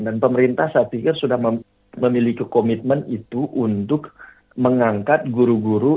dan pemerintah saya pikir sudah memiliki komitmen itu untuk mengangkat guru guru